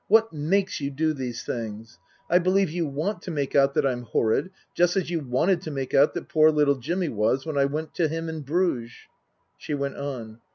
What makes you do these things ? I believe you want to make out that I'm horrid, just as you wanted to make out that poor little Jimmy was, when I went to him in Bruges." She went on.